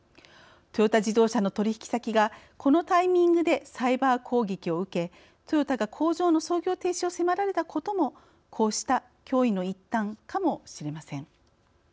トヨタ自動車の取引先がこのタイミングでサイバー攻撃を受けトヨタが工場の操業停止を迫られたこともこうした脅威の一端かもしれません。